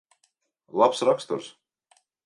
Labs raksturs.